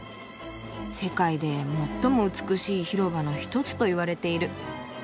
世界で最も美しい広場の一つといわれている」。